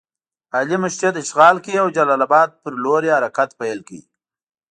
علي مسجد اشغال کړ او جلال اباد پر لور یې حرکت پیل کړ.